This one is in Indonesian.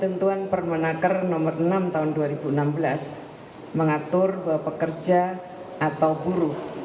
tentuan permenaker nomor enam tahun dua ribu enam belas mengatur bahwa pekerja atau buruh